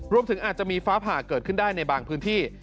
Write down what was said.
รวมถึงอาจจะมีฟ้าผ่าเกิดขึ้นได้ในบางพื้นที่